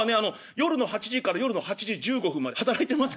夜の８時から夜の８時１５分まで働いてますけども」